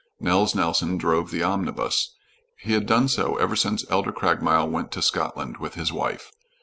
Nels Nelson drove the omnibus. He had done so ever since Elder Craigmile went to Scotland with his wife.